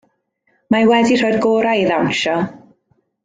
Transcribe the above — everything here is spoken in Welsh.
Mae wedi rhoi'r gorau i ddawnsio.